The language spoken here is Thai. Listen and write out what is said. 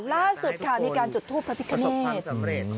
ล่าสุดค่ะมีการจุดทูปพลับพิเครเมตรประสบความสำเร็จ